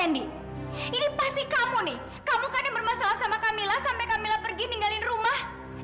kamu kan yang bermasalah sama kamila sampai kamila pergi tinggalin rumah